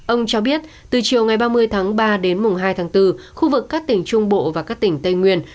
ông cho biết từ chiều ngày ba mươi tháng ba đến mùng hai tháng bốn khu vực các tỉnh trung bộ và các tỉnh tây nguyên